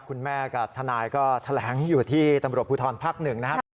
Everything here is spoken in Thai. คุณแม่กับทนายก็แถลงอยู่ที่ตำรวจภูทรภักดิ์๑นะครับ